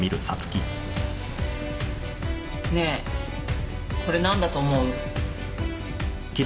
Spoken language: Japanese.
ねえこれなんだと思う？